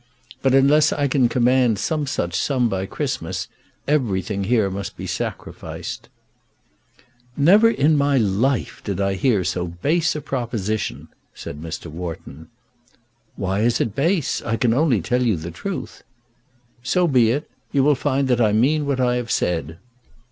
But unless I can command some such sum by Christmas everything here must be sacrificed." "Never in my life did I hear so base a proposition," said Mr. Wharton. "Why is it base? I can only tell you the truth." "So be it. You will find that I mean what I have said."